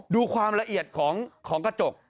ดูความละเอียดของกระจก